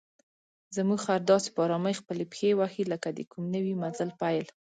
زموږ خر داسې په آرامۍ خپلې پښې وهي لکه د کوم نوي مزل پیل.